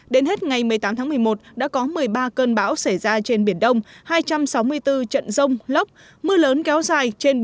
đến hết ngày một mươi tám tháng một mươi một đã có một mươi ba cơn bão xảy ra trên biển đông hai trăm sáu mươi bốn trận rông lóc mưa lớn kéo dài trên bốn mươi chín tỉnh thành phố